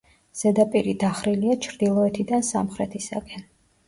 ზედაპირი დახრილია ჩრდილოეთიდან სამხრეთისაკენ.